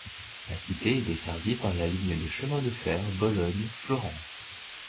La cité est desservie par la ligne de chemin de fer Bologne-Florence.